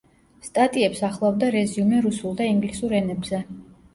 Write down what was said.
სტატიებს ახლავდა რეზიუმე რუსულ და ინგლისურ ენებზე.